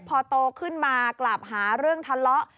พอโตขึ้นมากลับหาเรื่องทะเลาะ